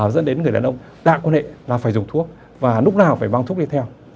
dẫn đến người đàn ông đạ quan hệ là phải dùng thuốc và lúc nào phải băng thuốc đi theo